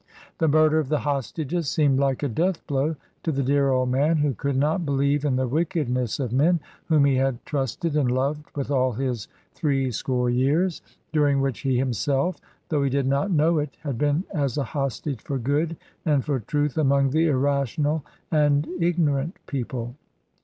The murder of the hostages seemed like a death blow to the dear old man, who could not believe in the wickedness of men whom he had trusted and loved with all his threescore years, during which he himself, though he did not know it, had been as a hostage for good and for truth among the irrational and ignorant people.